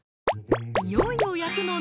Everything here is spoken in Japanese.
いよいよ焼くのね